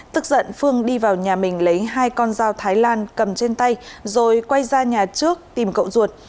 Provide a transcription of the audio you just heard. tức giận phương đi vào nhà mình lấy hai con dao thái lan cầm trên tay rồi quay ra nhà trước tìm cậu ruột